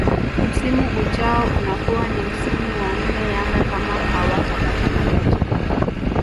Msimu ujao unakuwa ni msimu wa nne Yanga kama hawatapata mataji